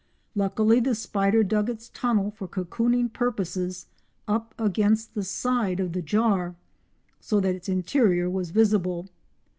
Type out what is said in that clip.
Luckily the spider dug its tunnel for cocooning purposes up against the side of the jar, so that its interior was visible.